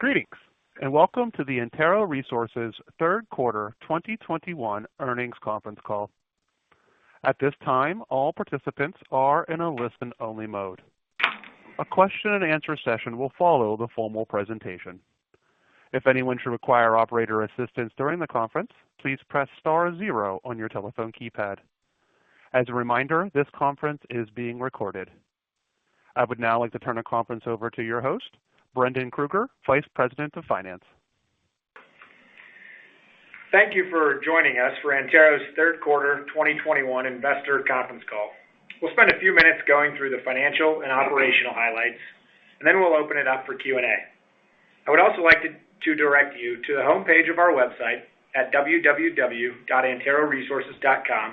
Greetings, and welcome to the Antero Resources third quarter 2021 earnings conference call. At this time, all participants are in a listen-only mode. A question-and-answer session will follow the formal presentation. If anyone should require operator assistance during the conference, please press star zero on your telephone keypad. As a reminder, this conference is being recorded. I would now like to turn the conference over to your host, Brendan Krueger, Vice President of Finance. Thank you for joining us for Antero's third quarter 2021 investor conference call. We'll spend a few minutes going through the financial and operational highlights, and then we'll open it up for Q&A. I would also like to direct you to the homepage of our website at www.anteroresources.com,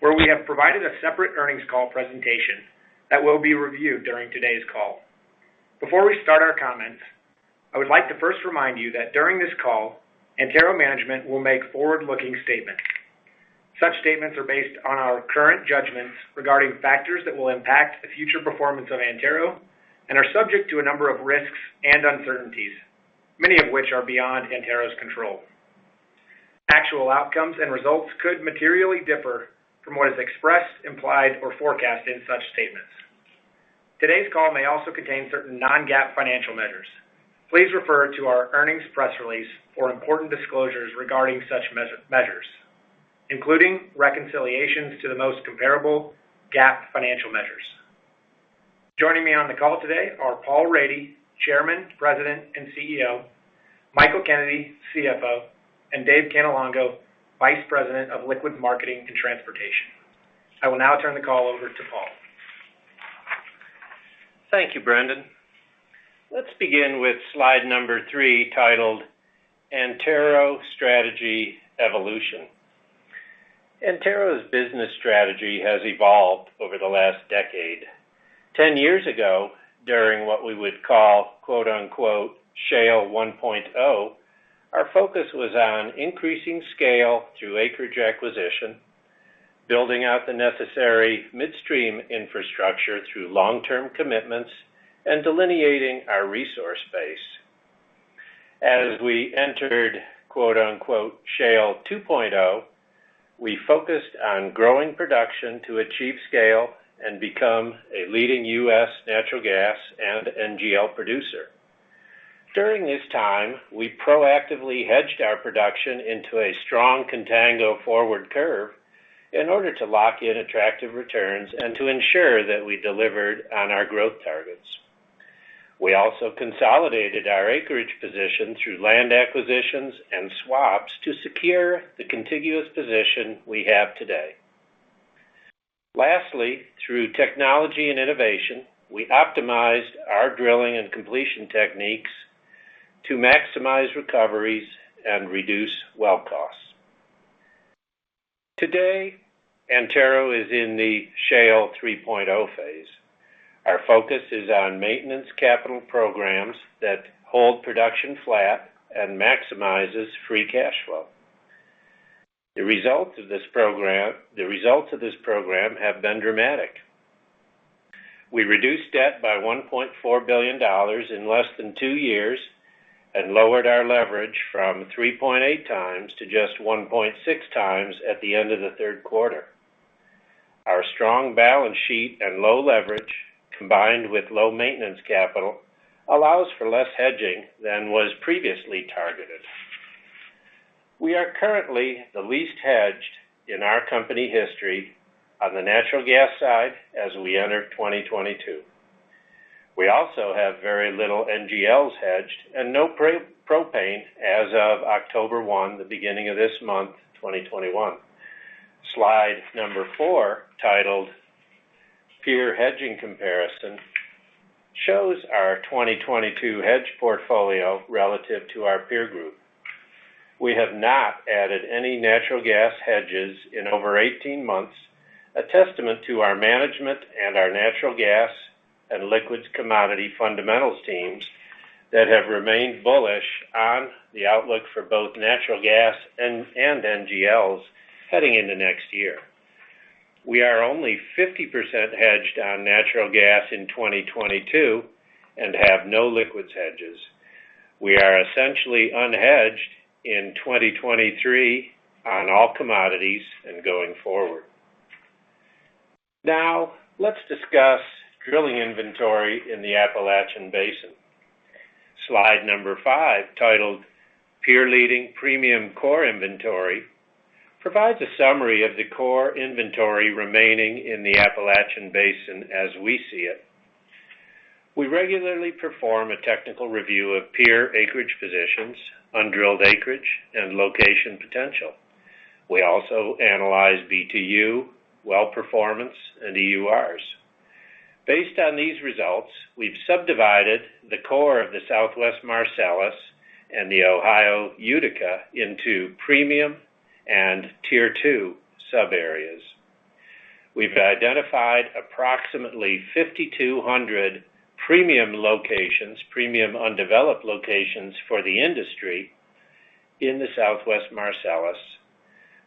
where we have provided a separate earnings call presentation that will be reviewed during today's call. Before we start our comments, I would like to first remind you that during this call, Antero management will make forward-looking statements. Such statements are based on our current judgments regarding factors that will impact the future performance of Antero and are subject to a number of risks and uncertainties, many of which are beyond Antero's control. Actual outcomes and results could materially differ from what is expressed, implied, or forecasted in such statements. Today's call may also contain certain non-GAAP financial measures. Please refer to our earnings press release for important disclosures regarding such measures, including reconciliations to the most comparable GAAP financial measures. Joining me on the call today are Paul Rady, Chairman, President, and CEO, Michael Kennedy, CFO, and Dave Cannelongo, Vice President of Liquids Marketing & Transportation. I will now turn the call over to Paul. Thank you, Brendan. Let's begin with slide number 3, titled Antero Strategy Evolution. Antero's business strategy has evolved over the last decade. 10 years ago, during what we would call “Shale 1.0,” our focus was on increasing scale through acreage acquisition, building out the necessary midstream infrastructure through long-term commitments, and delineating our resource base. As we entered “Shale 2.0,” we focused on growing production to achieve scale and become a leading U.S. natural gas and NGL producer. During this time, we proactively hedged our production into a strong contango forward curve in order to lock in attractive returns and to ensure that we delivered on our growth targets. We also consolidated our acreage position through land acquisitions and swaps to secure the contiguous position we have today. Lastly, through technology and innovation, we optimized our drilling and completion techniques to maximize recoveries and reduce well costs. Today, Antero is in the Shale 3.0 phase. Our focus is on maintenance capital programs that hold production flat and maximizes free cash flow. The results of this program have been dramatic. We reduced debt by $1.4 billion in less than two years and lowered our leverage from 3.8x to just 1.6x at the end of the third quarter. Our strong balance sheet and low leverage, combined with low maintenance capital, allows for less hedging than was previously targeted. We are currently the least hedged in our company history on the natural gas side as we enter 2022. We also have very little NGLs hedged and no propane as of October 1, the beginning of this month, 2021. Slide 4, titled Peer Hedging Comparison, shows our 2022 hedge portfolio relative to our peer group. We have not added any natural gas hedges in over 18 months, a testament to our management and our natural gas and liquids commodity fundamentals teams that have remained bullish on the outlook for both natural gas and NGLs heading into next year. We are only 50% hedged on natural gas in 2022 and have no liquids hedges. We are essentially unhedged in 2023 on all commodities and going forward. Now let's discuss drilling inventory in the Appalachian Basin. Slide 5, titled Peer Leading Premium Core Inventory, provides a summary of the core inventory remaining in the Appalachian Basin as we see it. We regularly perform a technical review of peer acreage positions, undrilled acreage, and location potential. We also analyze BTU, well performance, and EURs. Based on these results, we've subdivided the core of the Southwest Marcellus and the Ohio Utica into premium and tier two sub areas. We've identified approximately 5,200 premium locations, premium undeveloped locations for the industry. In the Southwest Marcellus,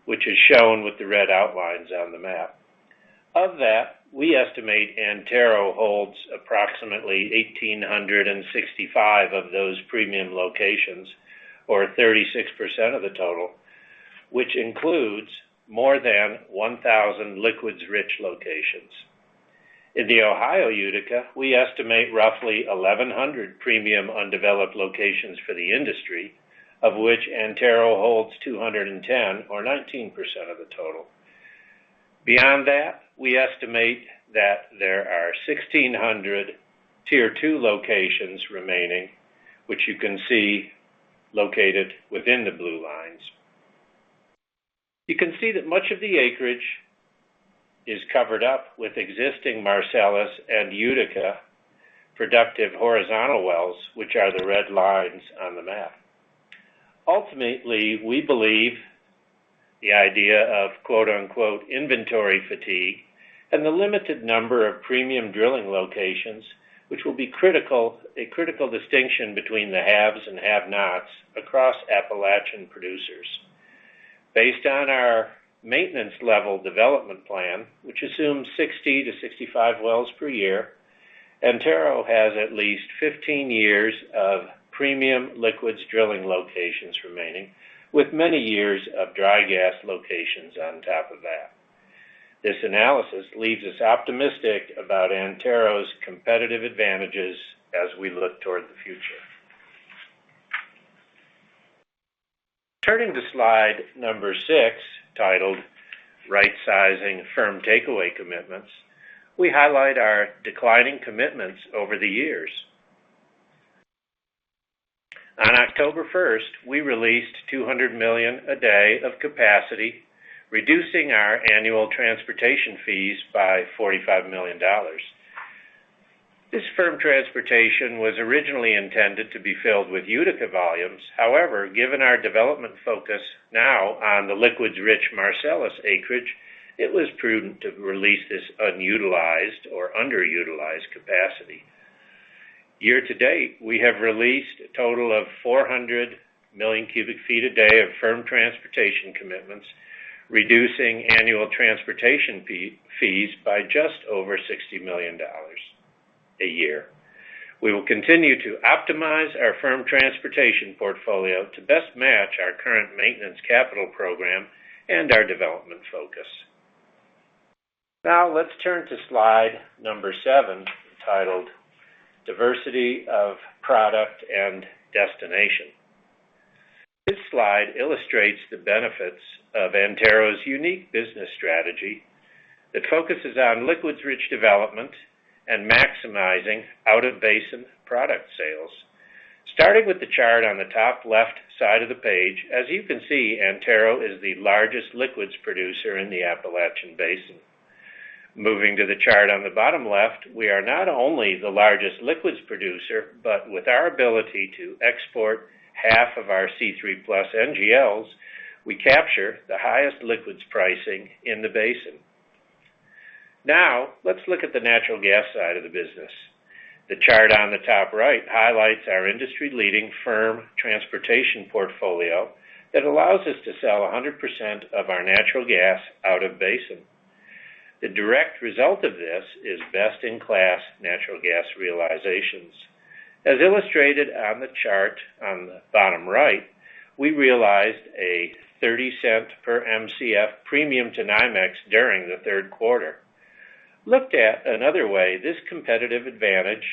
which is shown with the red outlines on the map. Of that, we estimate Antero holds approximately 1,865 of those premium locations, or 36% of the total, which includes more than 1,000 liquids-rich locations. In the Ohio Utica, we estimate roughly 1,100 premium undeveloped locations for the industry, of which Antero holds 210, or 19% of the total. Beyond that, we estimate that there are 1,600 tier two locations remaining, which you can see located within the blue lines. You can see that much of the acreage is covered up with existing Marcellus and Utica productive horizontal wells, which are the red lines on the map. Ultimately, we believe the idea of, quote-unquote, inventory fatigue and the limited number of premium drilling locations, which will be a critical distinction between the haves and have-nots across Appalachian producers. Based on our maintenance level development plan, which assumes 60-65 wells per year, Antero has at least 15 years of premium liquids drilling locations remaining, with many years of dry gas locations on top of that. This analysis leaves us optimistic about Antero's competitive advantages as we look toward the future. Turning to slide 6, titled Right sizing firm takeaway commitments, we highlight our declining commitments over the years. On October first, we released 200 million a day of capacity, reducing our annual transportation fees by $45 million. This firm transportation was originally intended to be filled with Utica volumes. However, given our development focus now on the liquids-rich Marcellus acreage, it was prudent to release this unutilized or underutilized capacity. Year to date, we have released a total of 400 million cubic feet a day of firm transportation commitments, reducing annual transportation fees by just over $60 million a year. We will continue to optimize our firm transportation portfolio to best match our current maintenance capital program and our development focus. Now let's turn to slide 7, titled Diversity of product and destination. This slide illustrates the benefits of Antero's unique business strategy that focuses on liquids-rich development and maximizing out-of-basin product sales. Starting with the chart on the top left side of the page, as you can see, Antero is the largest liquids producer in the Appalachian Basin. Moving to the chart on the bottom left, we are not only the largest liquids producer, but with our ability to export half of our C3+ NGLs, we capture the highest liquids pricing in the basin. Now let's look at the natural gas side of the business. The chart on the top right highlights our industry-leading firm transportation portfolio that allows us to sell 100% of our natural gas out of basin. The direct result of this is best-in-class natural gas realizations. As illustrated on the chart on the bottom right, we realized a $0.30 per Mcf premium to NYMEX during the third quarter. Looked at another way, this competitive advantage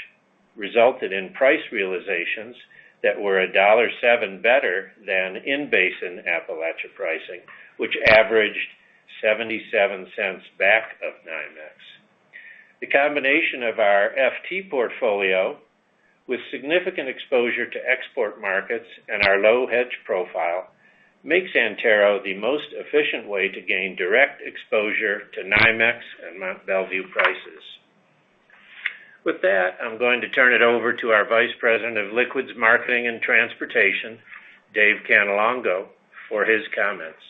resulted in price realizations that were $1.07 better than in-basin Appalachia pricing, which averaged 77 cents back of NYMEX. The combination of our FT portfolio with significant exposure to export markets and our low hedge profile makes Antero the most efficient way to gain direct exposure to NYMEX and Mont Belvieu prices. With that, I'm going to turn it over to our Vice President of Liquids Marketing and Transportation, Dave Cannelongo, for his comments.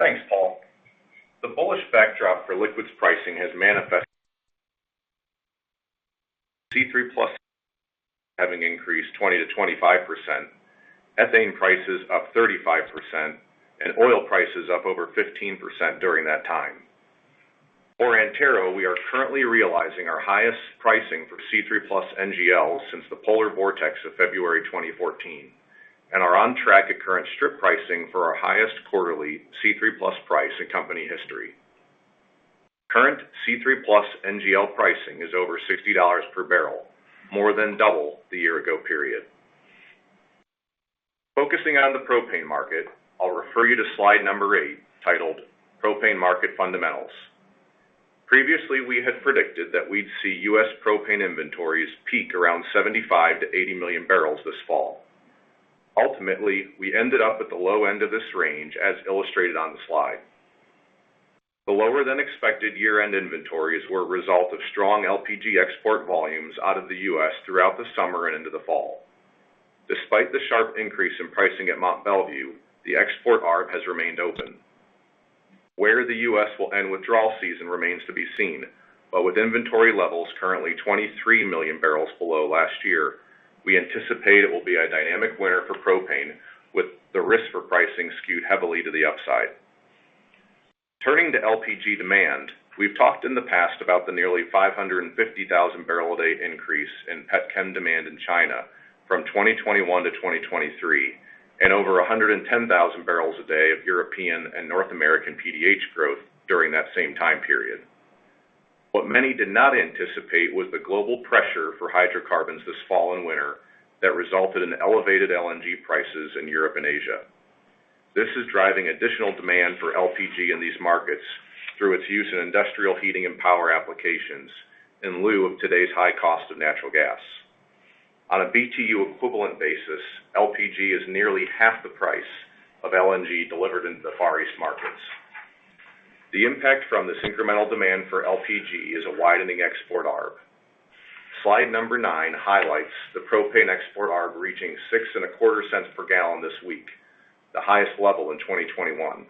Thanks, Paul. The bullish backdrop for liquids pricing has manifested C3+ having increased 20%-25%, ethane prices up 35%, and oil prices up over 15% during that time. For Antero, we are currently realizing our highest pricing for C3+ NGLs since the polar vortex of February 2014 and are on track at current strip pricing for our highest quarterly C3+ price in company history. Current C3+ NGL pricing is over $60 per barrel, more than double the year-ago period. Focusing on the propane market, I'll refer you to slide 8, titled Propane market fundamentals. Previously, we had predicted that we'd see U.S. propane inventories peak around 75-80 million barrels this fall. Ultimately, we ended up at the low end of this range, as illustrated on the slide. The lower than expected year-end inventories were a result of strong LPG export volumes out of the U.S. throughout the summer and into the fall. Despite the sharp increase in pricing at Mont Belvieu, the export arb has remained open. Where the U.S. will end withdrawal season remains to be seen. With inventory levels currently 23 million barrels below last year, we anticipate it will be a dynamic winter for propane, with the risk for pricing skewed heavily to the upside. Turning to LPG demand, we've talked in the past about the nearly 550,000 barrel a day increase in pet chem demand in China from 2021 to 2023, and over 110,000 barrels a day of European and North American PDH growth during that same time period. What many did not anticipate was the global pressure for hydrocarbons this fall and winter that resulted in elevated LNG prices in Europe and Asia. This is driving additional demand for LPG in these markets through its use in industrial heating and power applications in lieu of today's high cost of natural gas. On a BTU equivalent basis, LPG is nearly half the price of LNG delivered into the Far East markets. The impact from this incremental demand for LPG is a widening export arb. Slide number 9 highlights the propane export arb reaching $0.0625 per gallon this week, the highest level in 2021.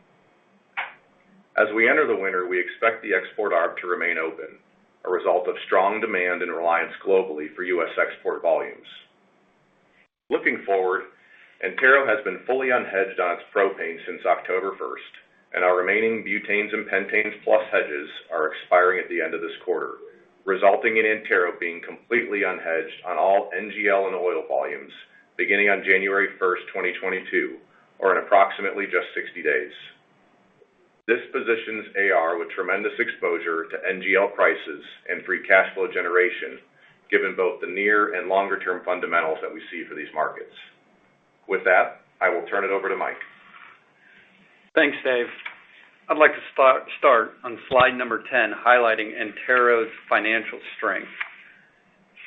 As we enter the winter, we expect the export arb to remain open, a result of strong demand and reliance globally for U.S. export volumes. Looking forward, Antero has been fully unhedged on its propane since October 1, and our remaining butanes and pentanes plus hedges are expiring at the end of this quarter, resulting in Antero being completely unhedged on all NGL and oil volumes beginning on January 1, 2022, or in approximately just 60 days. This positions AR with tremendous exposure to NGL prices and free cash flow generation, given both the near and longer-term fundamentals that we see for these markets. With that, I will turn it over to Mike. Thanks, Dave. I'd like to start on slide 10, highlighting Antero's financial strength.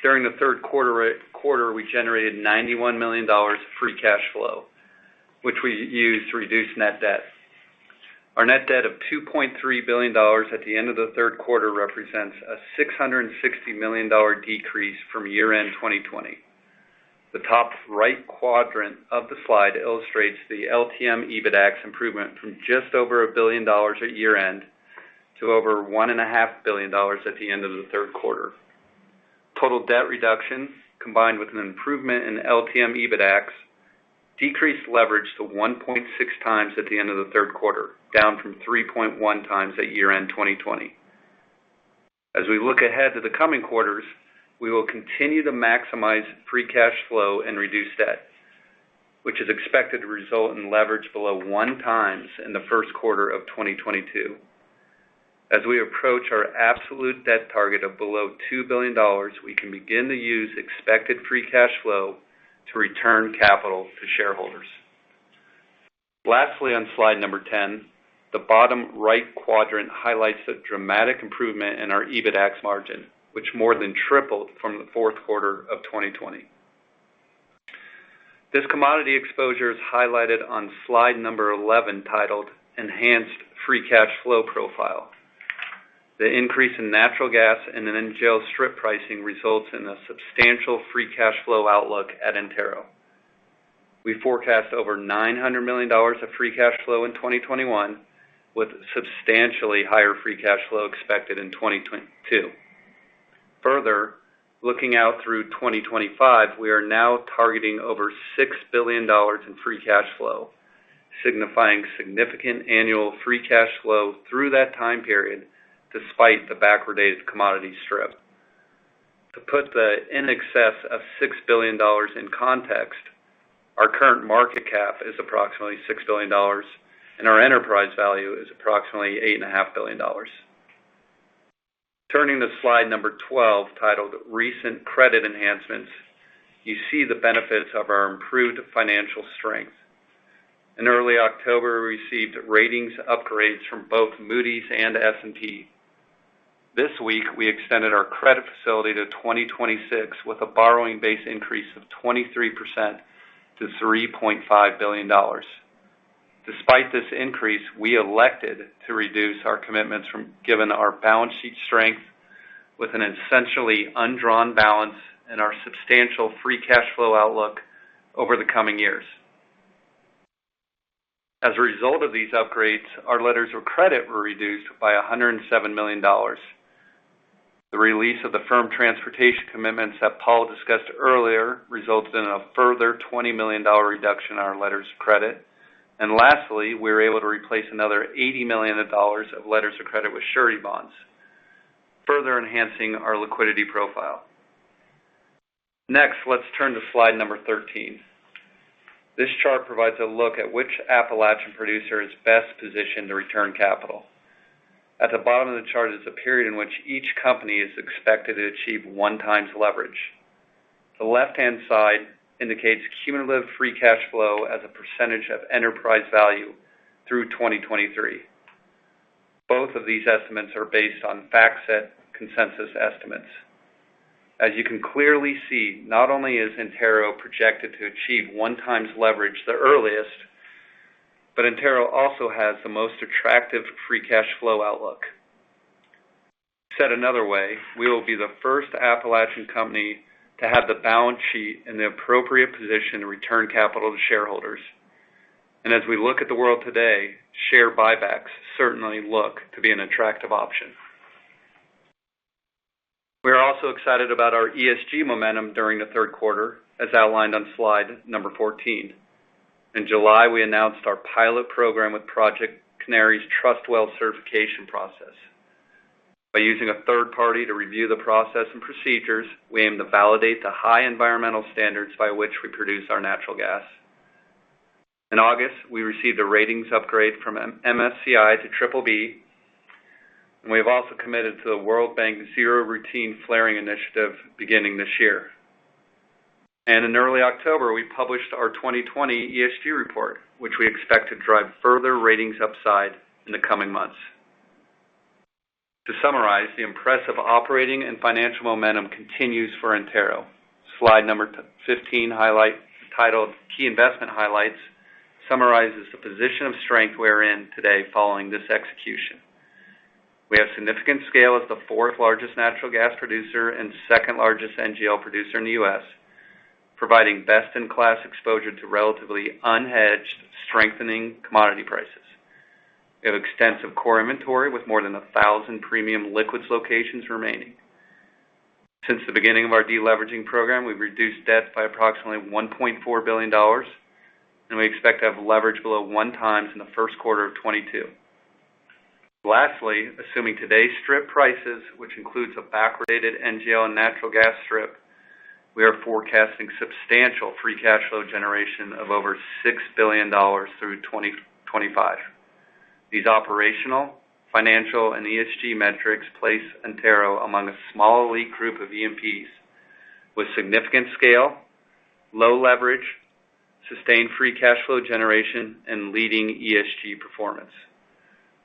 During the third quarter we generated $91 million free cash flow, which we used to reduce net debt. Our net debt of $2.3 billion at the end of the third quarter represents a $660 million decrease from year-end 2020. The top right quadrant of the slide illustrates the LTM EBITDAX improvement from just over $1 billion at year-end to over $1.5 billion at the end of the third quarter. Total debt reduction, combined with an improvement in LTM EBITDAX, decreased leverage to 1.6x at the end of the third quarter, down from 3.1x at year-end 2020. As we look ahead to the coming quarters, we will continue to maximize free cash flow and reduce debt, which is expected to result in leverage below 1x in the first quarter of 2022. As we approach our absolute debt target of below $2 billion, we can begin to use expected free cash flow to return capital to shareholders. Lastly, on slide 10, the bottom right quadrant highlights the dramatic improvement in our EBITDAX margin, which more than tripled from the fourth quarter of 2020. This commodity exposure is highlighted on slide 11, titled Enhanced Free Cash Flow Profile. The increase in natural gas and NGL strip pricing results in a substantial free cash flow outlook at Antero. We forecast over $900 million of free cash flow in 2021, with substantially higher free cash flow expected in 2022. Further, looking out through 2025, we are now targeting over $6 billion in free cash flow, signifying significant annual free cash flow through that time period despite the backwardated commodity strip. To put the in excess of $6 billion in context, our current market cap is approximately $6 billion, and our enterprise value is approximately $8.5 billion. Turning to slide 12, titled Recent Credit Enhancements, you see the benefits of our improved financial strength. In early October, we received ratings upgrades from both Moody's and S&P. This week, we extended our credit facility to 2026 with a borrowing base increase of 23% to $3.5 billion. Despite this increase, we elected to reduce our commitments, given our balance sheet strength with an essentially undrawn balance and our substantial free cash flow outlook over the coming years. As a result of these upgrades, our letters of credit were reduced by $107 million. The release of the firm transportation commitments that Paul discussed earlier results in a further $20 million reduction in our letters of credit. Lastly, we were able to replace another $80 million of letters of credit with surety bonds, further enhancing our liquidity profile. Next, let's turn to slide 13. This chart provides a look at which Appalachian producer is best positioned to return capital. At the bottom of the chart is the period in which each company is expected to achieve 1x leverage. The left-hand side indicates cumulative free cash flow as a percentage of enterprise value through 2023. Both of these estimates are based on FactSet consensus estimates. As you can clearly see, not only is Antero projected to achieve 1x leverage the earliest, but Antero also has the most attractive free cash flow outlook. Said another way, we will be the first Appalachian company to have the balance sheet in the appropriate position to return capital to shareholders. As we look at the world today, share buybacks certainly look to be an attractive option. We are also excited about our ESG momentum during the third quarter, as outlined on slide number 14. In July, we announced our pilot program with Project Canary's TrustWell certification process. By using a third party to review the process and procedures, we aim to validate the high environmental standards by which we produce our natural gas. In August, we received a ratings upgrade from MSCI to BBB, and we have also committed to the World Bank Zero Routine Flaring Initiative beginning this year. In early October, we published our 2020 ESG report, which we expect to drive further ratings upside in the coming months. To summarize, the impressive operating and financial momentum continues for Antero. Slide number 15 highlight, titled Key Investment Highlights, summarizes the position of strength we're in today following this execution. We have significant scale as the fourth largest natural gas producer and second largest NGL producer in the U.S., providing best-in-class exposure to relatively unhedged strengthening commodity prices. We have extensive core inventory with more than 1,000 premium liquids locations remaining. Since the beginning of our deleveraging program, we've reduced debt by approximately $1.4 billion, and we expect to have leverage below 1x in the first quarter of 2022. Lastly, assuming today's strip prices, which includes a backwardated NGL and natural gas strip, we are forecasting substantial free cash flow generation of over $6 billion through 2025. These operational, financial, and ESG metrics place Antero among a small elite group of E&Ps with significant scale, low leverage, sustained free cash flow generation, and leading ESG performance.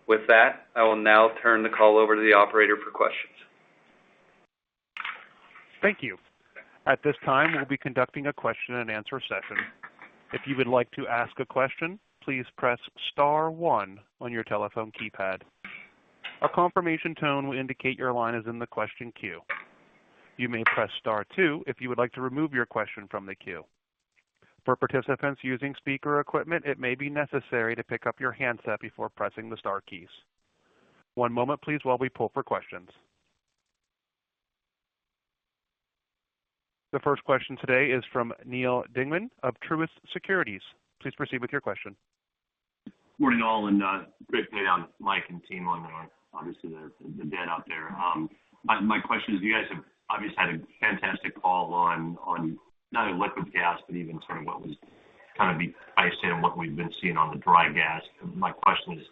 With that, I will now turn the call over to the operator for questions. Thank you. At this time, we'll be conducting a question and answer session. If you would like to ask a question, please press star one on your telephone keypad. A confirmation tone will indicate your line is in the question queue. You may press star two if you would like to remove your question from the queue. For participants using speaker equipment, it may be necessary to pick up your handset before pressing the star keys. One moment please while we pull for questions. The first question today is from Neal Dingmann of Truist Securities. Please proceed with your question. Morning all, great day out there. Mike and team out there. Obviously, the data out there. My question is you guys have obviously had a fantastic call on not only liquids, gas, but even sort of what was kind of the pricing and what we've been seeing on the dry gas. My question is,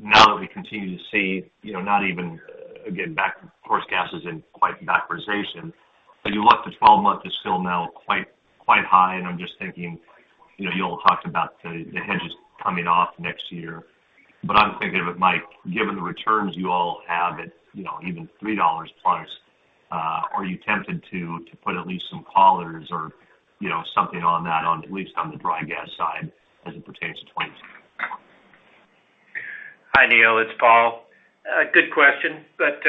now that we continue to see, you know, of course, gas isn't quite back in recession, but you look to 12 months is still now quite high. I'm just thinking, you know, you all talked about the hedges coming off next year, but I'm thinking of it, Mike, given the returns you all have at, you know, even $3 plus, are you tempted to put at least some collars or, you know, something on that on at least on the dry gas side as it pertains to 2022? Hi, Neal. It's Paul. A good question, but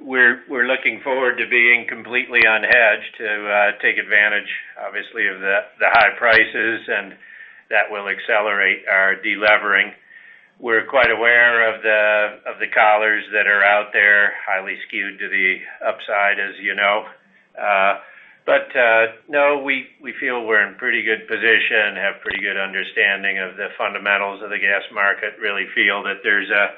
we're looking forward to being completely unhedged to take advantage obviously of the high prices and that will accelerate our delevering. We're quite aware of the collars that are out there, highly skewed to the upside, as you know. No, we feel we're in pretty good position, have pretty good understanding of the fundamentals of the gas market. Really feel that there's a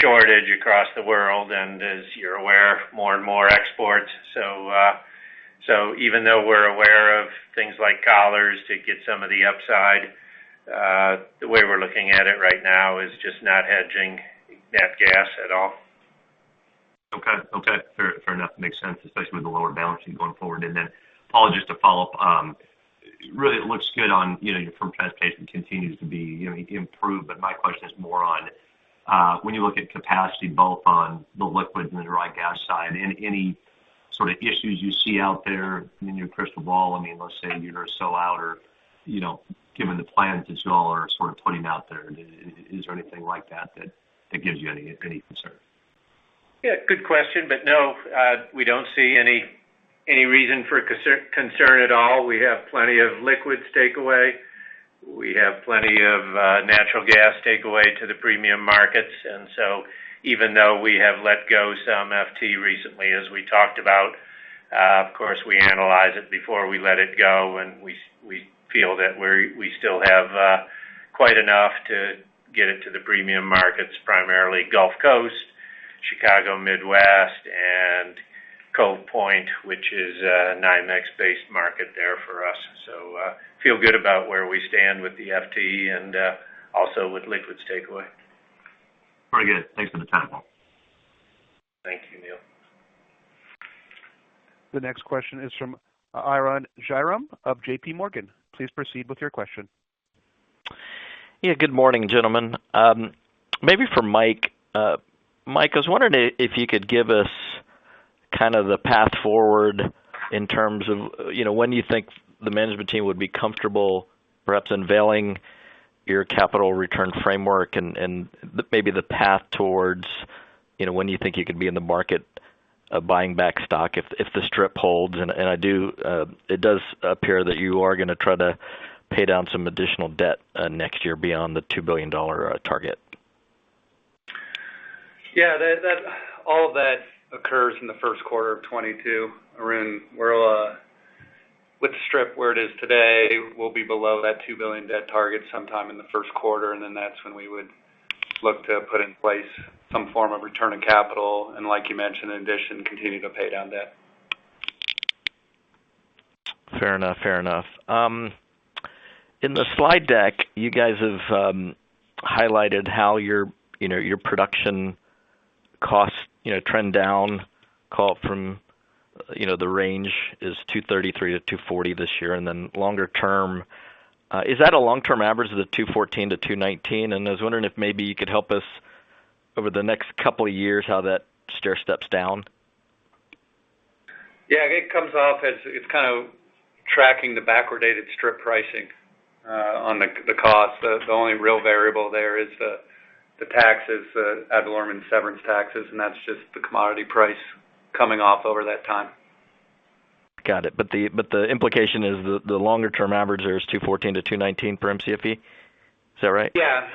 shortage across the world, and as you're aware, more and more exports. Even though we're aware of things like collars to get some of the upside, the way we're looking at it right now is just not hedging nat gas at all. Okay. Fair enough. Makes sense, especially with the lower balance sheet going forward. Then Paul, just to follow up, really it looks good on, you know, your firm transportation continues to be, you know, improved, but my question is more on, when you look at capacity both on the liquid and the dry gas side, any sort of issues you see out there in your crystal ball? I mean, let's say you're sold out or, you know, given the plans that y'all are sort of putting out there, is there anything like that that gives you any concern? Yeah, good question. No, we don't see any reason for concern at all. We have plenty of liquids takeaway. We have plenty of natural gas takeaway to the premium markets. Even though we have let go some FT recently, as we talked about, of course, we analyze it before we let it go, and we feel that we still have quite enough to get it to the premium markets, primarily Gulf Coast, Chicago Midwest, and Cove Point, which is a NYMEX-based market there for us. Feel good about where we stand with the FT and also with liquids takeaway. Very good. Thanks for the time, Paul. Thank you, Neal. The next question is from Arun Jayaram of JPMorgan. Please proceed with your question. Yeah. Good morning, gentlemen. Maybe for Mike. Mike, I was wondering if you could give us kind of the path forward in terms of, you know, when you think the management team would be comfortable perhaps unveiling your capital return framework and maybe the path towards, you know, when you think you could be in the market, buying back stock if the strip holds. I do. It does appear that you are gonna try to pay down some additional debt next year beyond the $2 billion target. Yeah. All that occurs in the first quarter of 2022. Arun, we're with the strip where it is today, we'll be below that $2 billion debt target sometime in the first quarter, and then that's when we would look to put in place some form of return of capital, and like you mentioned, in addition, continue to pay down debt. Fair enough. In the slide deck, you guys have highlighted how your, you know, your production costs, you know, trend down from, you know, the range is $2.33-$2.40 this year. Longer term, is that a long-term average of the $2.14-$2.19? I was wondering if maybe you could help us over the next couple of years how that stair steps down. Yeah. It comes off as it's kind of tracking the backwardated strip pricing on the cost. The only real variable there is the taxes, the ad valorem and severance taxes, and that's just the commodity price coming off over that time. Got it. The implication is the longer term average there is 214-219 per Mcfe. Is that right? Yeah.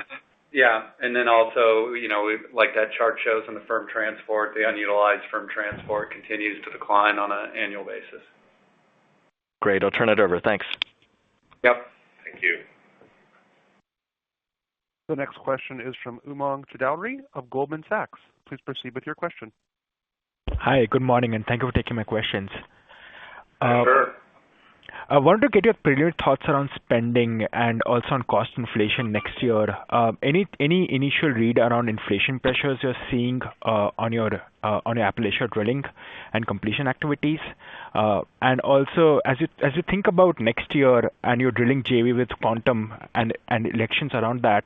Yeah. Also, you know, like that chart shows on the firm transport, the unutilized firm transport continues to decline on an annual basis. Great. I'll turn it over. Thanks. Yep. Thank you. The next question is from Umang Choudhary of Goldman Sachs. Please proceed with your question. Hi. Good morning, and thank you for taking my questions. Sure. I wanted to get your preliminary thoughts around spending and also on cost inflation next year. Any initial read around inflation pressures you're seeing on your Appalachia drilling and completion activities? Also, as you think about next year and your drilling JV with Quantum and elections around that,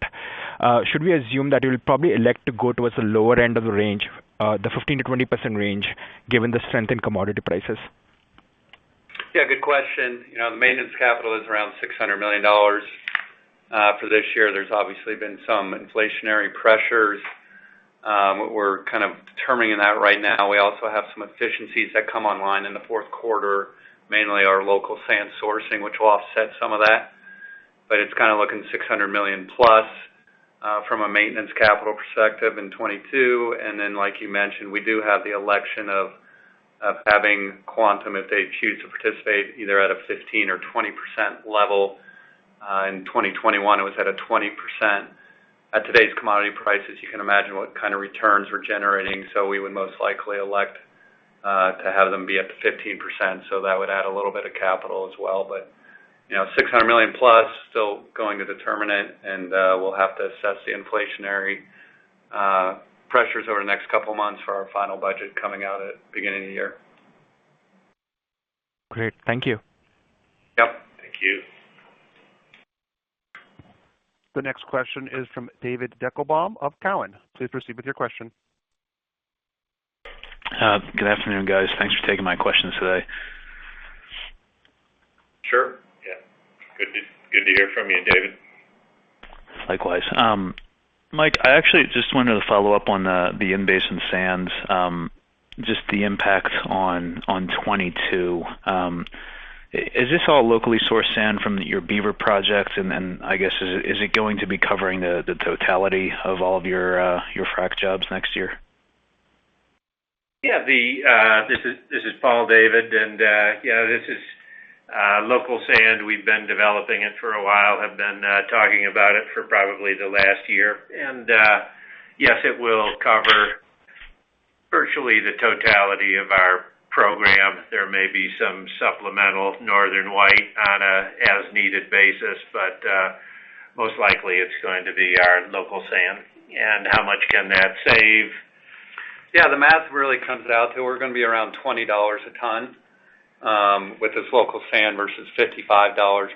should we assume that you'll probably elect to go towards the lower end of the range, the 15%-20% range, given the strength in commodity prices? Yeah, good question. You know, the maintenance capital is around $600 million for this year. There's obviously been some inflationary pressures. We're kind of determining that right now. We also have some efficiencies that come online in the fourth quarter, mainly our local sand sourcing, which will offset some of that. It's kind of looking $600 million+, from a maintenance capital perspective in 2022. Then, like you mentioned, we do have the election of having Quantum, if they choose to participate, either at a 15% or 20% level. In 2021 it was at a 20%. At today's commodity prices, you can imagine what kind of returns we're generating, so we would most likely elect to have them be at the 15%. That would add a little bit of capital as well. You know, $600 million-plus still going to determine it, and we'll have to assess the inflationary pressures over the next couple of months for our final budget coming out at beginning of the year. Great. Thank you. Yep. Thank you. The next question is from David Deckelbaum of Cowen. Please proceed with your question. Good afternoon, guys. Thanks for taking my questions today. Sure. Yeah. Good to hear from you, David. Likewise. Mike, I actually just wanted to follow up on the in-basin sands, just the impact on 2022. Is this all locally sourced sand from your Beaver projects? I guess, is it going to be covering the totality of all of your frack jobs next year? Yeah. This is Paul, David. Yeah, this is local sand. We've been developing it for a while, talking about it for probably the last year. Yes, it will cover virtually the totality of our program. There may be some supplemental Northern White on an as-needed basis, but most likely it's going to be our local sand. How much can that save? Yeah, the math really comes out to we're gonna be around $20 a ton with this local sand versus $55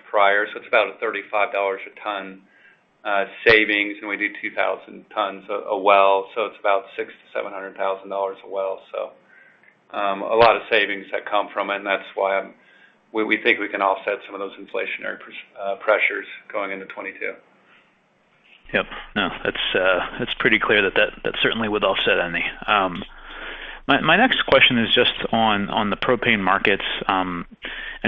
prior, so it's about a $35 a ton savings. We do 2,000 tons a well, so it's about $600,000-$700,000 a well. A lot of savings that come from it, and that's why we think we can offset some of those inflationary pressures going into 2022. Yep. No, that's pretty clear that certainly would offset any. My next question is just on the propane markets and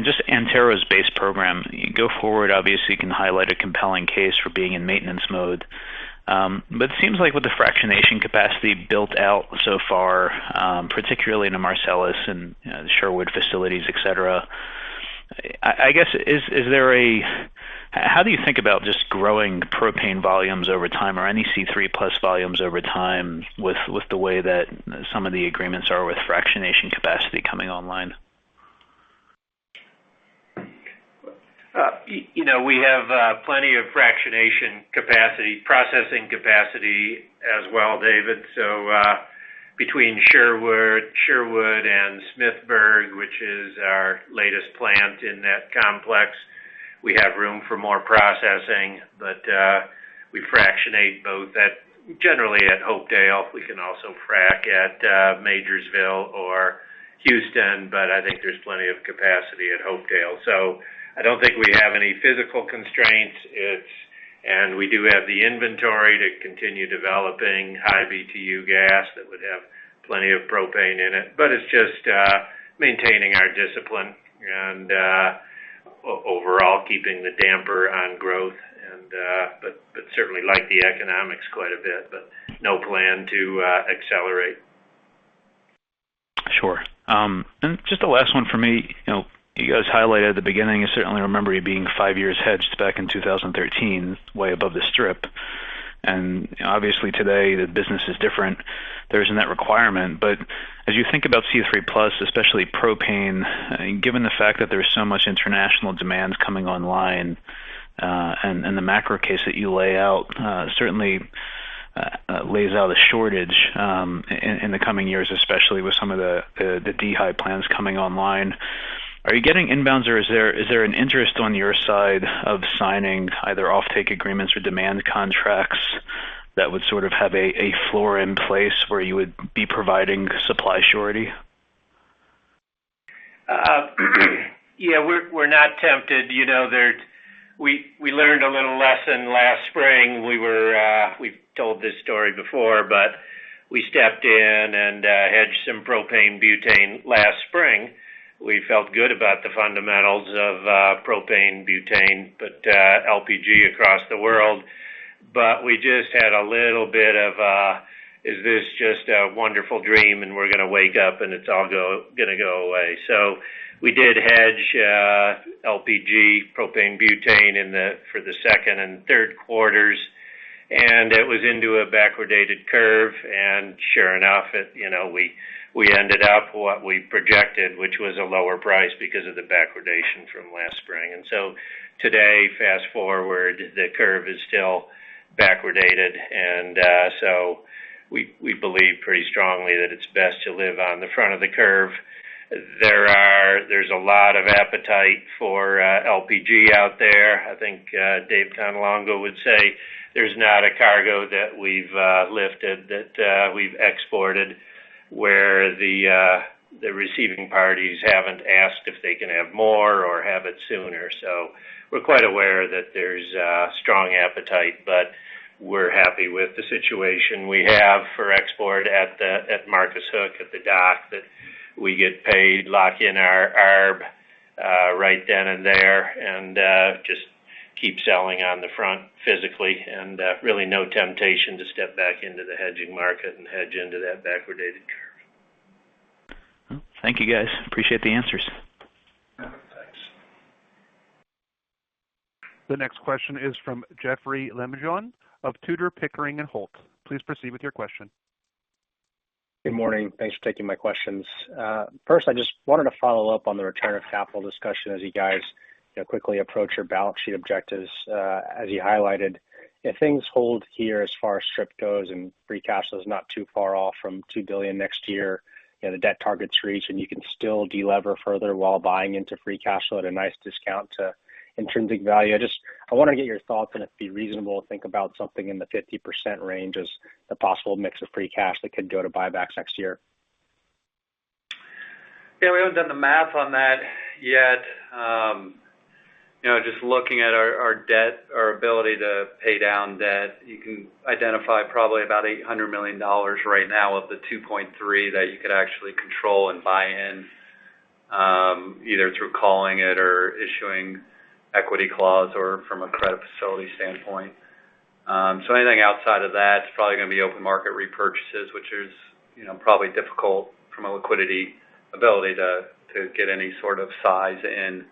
just Antero's base program. Going forward, obviously you can highlight a compelling case for being in maintenance mode. It seems like with the fractionation capacity built out so far, particularly in the Marcellus and, you know, the Sherwood facilities, et cetera. How do you think about just growing propane volumes over time or any C3+ volumes over time with the way that some of the agreements are with fractionation capacity coming online? You know, we have plenty of fractionation capacity, processing capacity as well, David. Between Sherwood and Smithburg, which is our latest plant in that complex. We have room for more processing, but we fractionate both at Hopedale, generally. We can also frack at Majorsville or Houston, but I think there's plenty of capacity at Hopedale. I don't think we have any physical constraints. We do have the inventory to continue developing high BTU gas that would have plenty of propane in it. It's just maintaining our discipline and overall keeping the damper on growth. I certainly like the economics quite a bit, but no plan to accelerate. Sure. Just the last one for me. You know, you guys highlighted at the beginning, I certainly remember you being 5 years hedged back in 2013, way above the strip. Obviously, today the business is different. There is a net requirement. As you think about C3+, especially propane, and given the fact that there's so much international demand coming online, and the macro case that you lay out, certainly lays out a shortage, in the coming years, especially with some of the dehy plants coming online. Are you getting inbounds, or is there an interest on your side of signing either offtake agreements or demand contracts that would sort of have a floor in place where you would be providing supply surety? Yeah, we're not tempted. You know, we learned a little lesson last spring. We've told this story before, but we stepped in and hedged some propane butane last spring. We felt good about the fundamentals of propane butane, but LPG across the world. We just had a little bit of a, "Is this just a wonderful dream, and we're gonna wake up, and it's all gonna go away?" We did hedge LPG propane butane for the second and third quarters, and it was into a backwardated curve. Sure enough, you know, we ended up what we projected, which was a lower price because of the backwardation from last spring. Today, fast-forward, the curve is still backwardated. We believe pretty strongly that it's best to live on the front of the curve. There's a lot of appetite for LPG out there. I think Dave Cannelongo would say there's not a cargo that we've lifted that we've exported, where the receiving parties haven't asked if they can have more or have it sooner. We're quite aware that there's a strong appetite, but we're happy with the situation we have for export at Marcus Hook, at the dock, that we get paid, lock in our ARB right then and there, and just keep selling on the front physically, and really no temptation to step back into the hedging market and hedge into that backwardated curve. Thank you, guys. Appreciate the answers. Yeah. Thanks. The next question is from Jeoffrey Lambujon of Tudor, Pickering, Holt & Co. Please proceed with your question. Good morning. Thanks for taking my questions. First, I just wanted to follow up on the return of capital discussion as you guys, you know, quickly approach your balance sheet objectives, as you highlighted. If things hold here as far as strip goes and free cash flow is not too far off from $2 billion next year, you know, the debt targets reach, and you can still delever further while buying into free cash flow at a nice discount to intrinsic value. I just—I wanna get your thoughts on if it'd be reasonable to think about something in the 50% range as the possible mix of free cash that could go to buybacks next year. Yeah. We haven't done the math on that yet. You know, just looking at our debt, our ability to pay down debt, you can identify probably about $800 million right now of the $2.3 billion that you could actually control and buy in, either through calling it or issuing equity clause or from a credit facility standpoint. Anything outside of that, it's probably gonna be open market repurchases, which is, you know, probably difficult from a liquidity ability to get any sort of size in,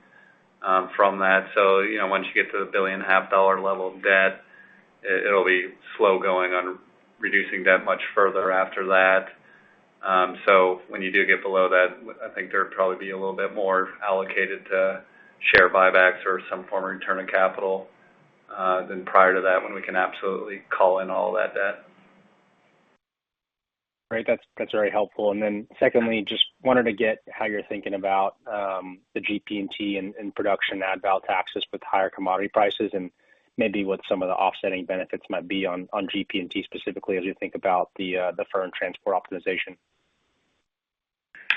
from that. You know, once you get to the $1.5 billion level of debt, it'll be slow going on reducing debt much further after that. When you do get below that, I think there'd probably be a little bit more allocated to share buybacks or some form of return of capital than prior to that when we can absolutely call in all that debt. Great. That's very helpful. Secondly, just wanted to get how you're thinking about the GP&T and production ad valorem taxes with higher commodity prices and maybe what some of the offsetting benefits might be on GP&T specifically as you think about the firm transport optimization.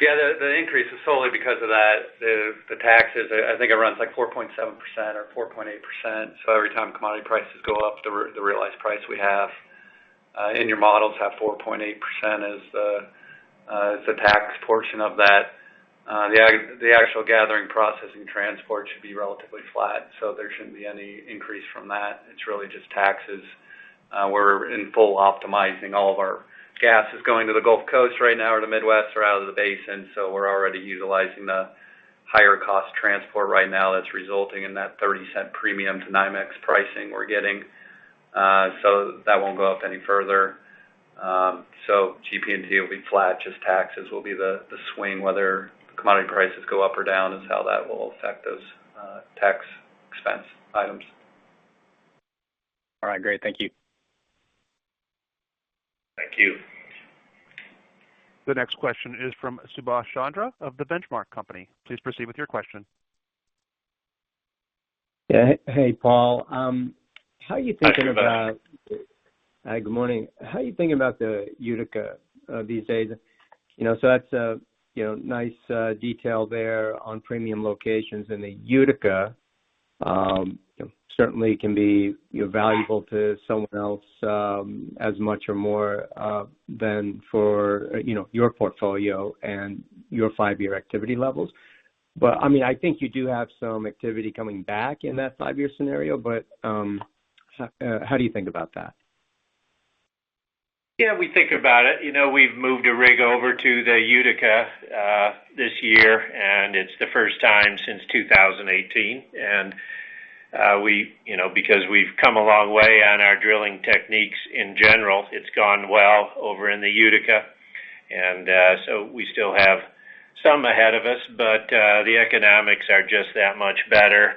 Yeah. The increase is solely because of that. The taxes, I think it runs like 4.7% or 4.8%. Every time commodity prices go up, the realized price we have in your models have 4.8% as the tax portion of that. The actual gathering processing transport should be relatively flat, so there shouldn't be any increase from that. It's really just taxes. We're in full optimizing. All of our gas is going to the Gulf Coast right now or the Midwest or out of the basin, so we're already utilizing the higher cost transport right now that's resulting in that $0.30 premium to NYMEX pricing we're getting. That won't go up any further. GP&T will be flat. Just taxes will be the swing, whether commodity prices go up or down is how that will affect those tax expense items. All right. Great. Thank you. The next question is from Subash Chandra of The Benchmark Company. Please proceed with your question. Yeah. Hey, Paul. How are you thinking about- Hi, Subash. Hi, good morning. How are you thinking about the Utica these days? You know, that's a you know nice detail there on premium locations. The Utica certainly can be you know valuable to someone else as much or more than for you know your portfolio and your five-year activity levels. I mean, I think you do have some activity coming back in that five-year scenario. How do you think about that? Yeah, we think about it. You know, we've moved a rig over to the Utica this year, and it's the first time since 2018. You know, because we've come a long way on our drilling techniques in general, it's gone well over in the Utica. We still have some ahead of us, but the economics are just that much better,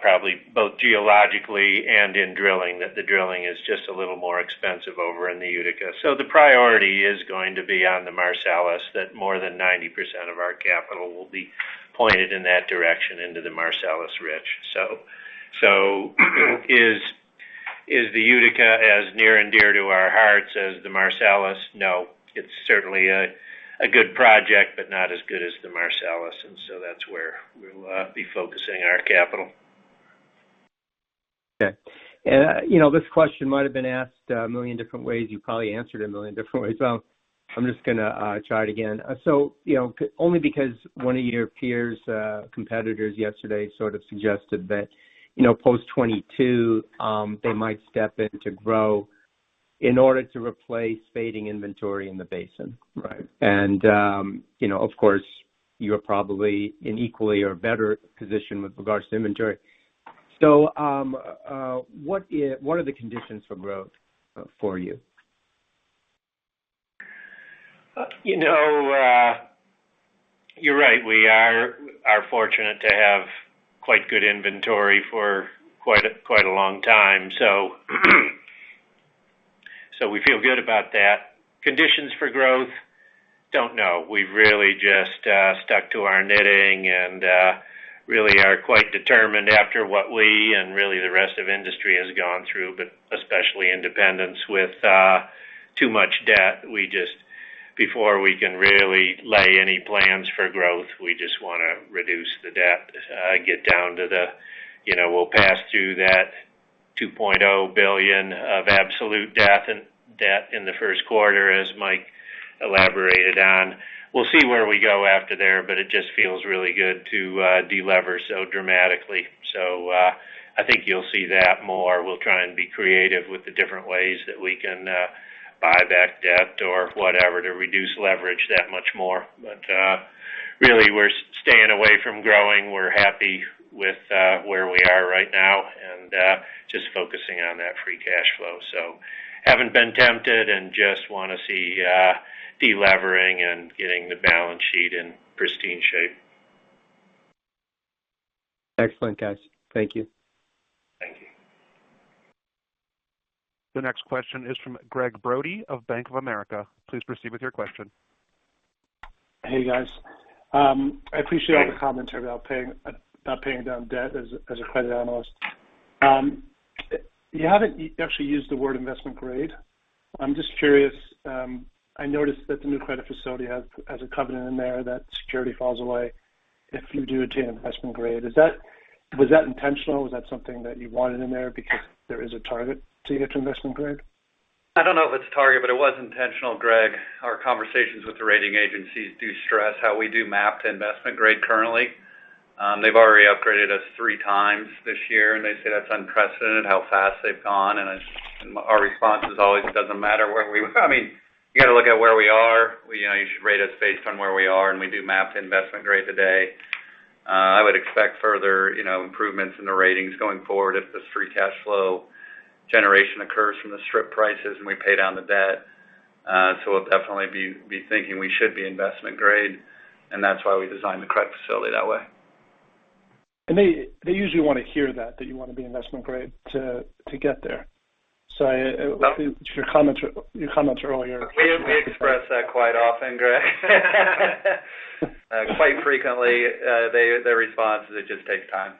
probably both geologically and in drilling, that the drilling is just a little more expensive over in the Utica. The priority is going to be on the Marcellus, that more than 90% of our capital will be pointed in that direction into the Marcellus, right. Is the Utica as near and dear to our hearts as the Marcellus? No. It's certainly a good project, but not as good as the Marcellus. That's where we'll be focusing our capital. Okay. You know, this question might have been asked a million different ways, you probably answered a million different ways. I'm just gonna try it again. You know, only because one of your peers, competitors yesterday sort of suggested that, you know, post 2022, they might step in to grow in order to replace fading inventory in the basin. Right. You know, of course, you're probably in equally or better position with regards to inventory. What are the conditions for growth for you? You know, you're right. We are fortunate to have quite good inventory for quite a long time. So we feel good about that. Conditions for growth, don't know. We've really just stuck to our knitting and really are quite determined after what we and really the rest of industry has gone through, but especially independents with too much debt. We just before we can really lay any plans for growth, we just wanna reduce the debt, get down to the. You know, we'll pass through that $2.0 billion of absolute debt in the first quarter, as Mike elaborated on. We'll see where we go after there, but it just feels really good to de-lever so dramatically. So I think you'll see that more. We'll try and be creative with the different ways that we can buy back debt or whatever to reduce leverage that much more. Really, we're staying away from growing. We're happy with where we are right now and just focusing on that free cash flow. Haven't been tempted and just wanna see delevering and getting the balance sheet in pristine shape. Excellent, guys. Thank you. Thank you. The next question is from Gregg Brody of Bank of America. Please proceed with your question. Hey, guys. I appreciate all the comments about paying down debt as a credit analyst. You haven't actually used the word investment grade. I'm just curious. I noticed that the new credit facility has a covenant in there that security falls away if you do attain investment grade. Was that intentional? Was that something that you wanted in there because there is a target to get to investment grade? I don't know if it's a target, but it was intentional, Greg. Our conversations with the rating agencies do stress how we do map to investment grade currently. They've already upgraded us three times this year, and they say that's unprecedented how fast they've gone. Our response is always, I mean, you gotta look at where we are. You know, you should rate us based on where we are, and we do map to investment grade today. I would expect further, you know, improvements in the ratings going forward if this free cash flow generation occurs from the strip prices and we pay down the debt. We'll definitely be thinking we should be investment grade, and that's why we designed the credit facility that way. They usually wanna hear that you wanna be investment grade to get there. Your comments are all here. We express that quite often, Greg. Quite frequently. Their response is it just takes time.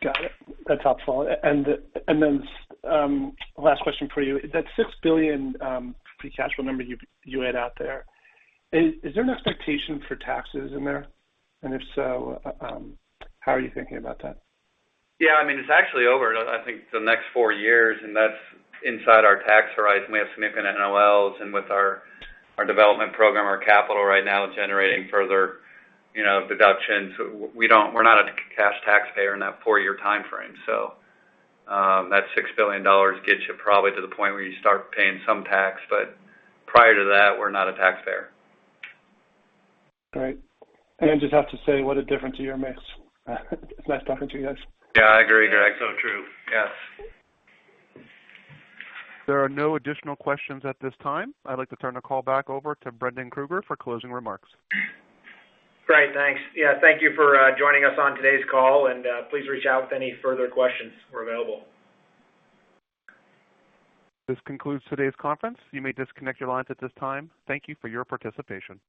Got it. That's helpful. Then last question for you. That $6 billion free cash flow number you had out there, is there an expectation for taxes in there? If so, how are you thinking about that? Yeah, I mean, it's actually over, I think, the next 4 years, and that's inside our tax horizon. We have significant NOLs, and with our development program, our capital right now generating further, you know, deductions. We're not a cash taxpayer in that 4-year timeframe. That $6 billion gets you probably to the point where you start paying some tax, but prior to that, we're not a taxpayer. Great. I just have to say what a difference a year makes. It's nice talking to you guys. Yeah, I agree, Greg. True. Yes. There are no additional questions at this time. I'd like to turn the call back over to Brendan Krueger for closing remarks. Great. Thanks. Yeah, thank you for joining us on today's call, and please reach out with any further questions. We're available. This concludes today's conference. You may disconnect your lines at this time. Thank you for your participation.